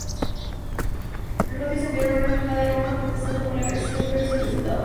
Los rodios enviaron una embajada a Roma, protestando por la agresión, pero sin resultado.